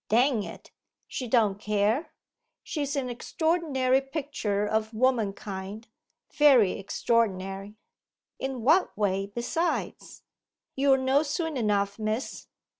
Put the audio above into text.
Dang it, she don't care. She's an extraordinary picture of womankind very extraordinary.' 'In what way besides?' 'You'll know soon enough, miss.